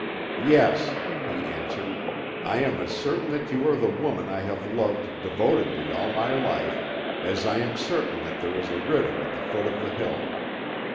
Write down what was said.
"Yes," he answered, "I am as certain that you are the woman I have loved devotedly all my life, as I am certain that there is a river at the foot of the hill.